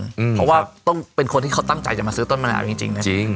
เพราะว่าต้องเป็นคนที่เขาตั้งใจจะมาซื้อต้นมะนาวจริงนะจริง